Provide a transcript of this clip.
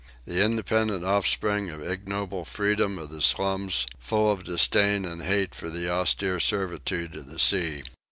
The independent offspring of the ignoble freedom of the slums full of disdain and hate for the austere servitude of the sea.